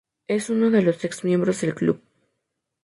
Es uno de los ex-miembros del club.